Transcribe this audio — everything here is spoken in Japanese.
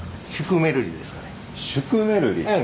シュクメルリ？